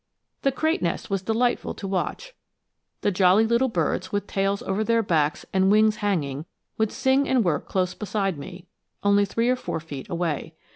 The crate nest was delightful to watch. The jolly little birds, with tails over their backs and wings hanging, would sing and work close beside me, only three or four feet away.